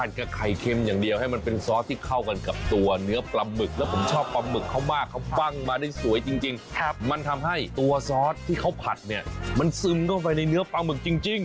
อันกระไข่เค็มอย่างเดียวให้มันเป็นซอสที่เข้ากันกับตัวเนื้อปลาหมึกแล้วผมชอบปลาหมึกเขามากเขาปั้งมาได้สวยจริงมันทำให้ตัวซอสที่เขาผัดเนี่ยมันซึมเข้าไปในเนื้อปลาหมึกจริง